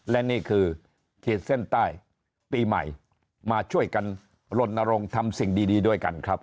และนี่คือขีดเส้นใต้ปีใหม่มาช่วยกันลนรงค์ทำสิ่งดีด้วยกันครับ